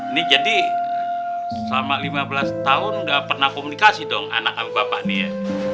ini jadi selama lima belas tahun udah pernah komunikasi dong anak kami bapak ini ya